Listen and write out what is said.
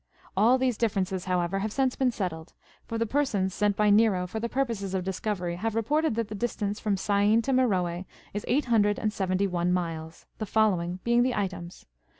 All these difi'erences, how ever, have since been settled ; for the persons sent by Xero for the purposes of discovery have reported that the distance from Syene to !M!eroe is eight hundred and seventy one miles, the follo ^ing being the items.